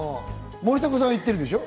森迫さんは行ってるでしょ？